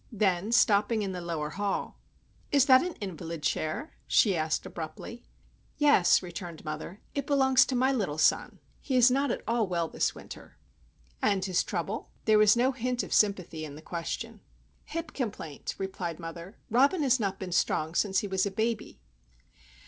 Then, stopping in the lower hall,— "Is that an invalid chair?" she asked, abruptly. "Yes," returned mother. "It belongs to my little son;—he is not at all well this winter." "And his trouble?" There was no hint of sympathy in the question. "Hip complaint," replied mother. "Robin has not been strong since he was a baby."